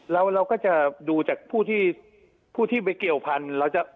เราก็จะดูจากผู้ที่ผู้ที่ไปเกี่ยวพันธุ์